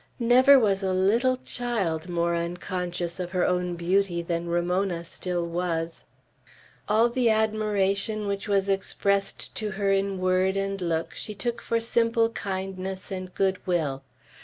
Never was a little child more unconscious of her own beauty than Ramona still was. All the admiration which was expressed to her in word and look she took for simple kindness and good will.